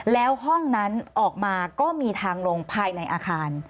แล้วห้องนั้นออกมาก็มีทางลงภายในอาคาร